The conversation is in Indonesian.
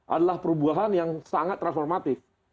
adalah perubahan yang sangat transformatif